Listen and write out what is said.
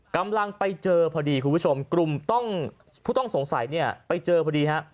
กำลังไปเจอพอดีคุณผู้ชมกลุ่มต้องผู้ต้องสงสัยเนี่ยไปเจอพอดีฮะ